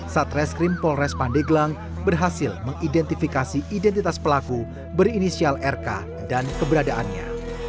satreskrim polres pandeglang berhasil mengidentifikasi identitas pelaku berinisial rk dan keberadaannya